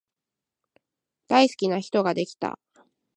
大好きな人ができた